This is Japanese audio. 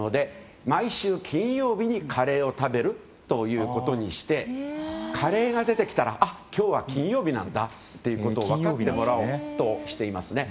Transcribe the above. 毎週金曜日にカレーを食べるということにしてカレーが出てきたら今日は金曜日なんだということを分かってもらおうとしていますね。